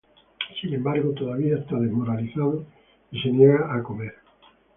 Sin embargo, todavía está desmoralizado y se niega a comer.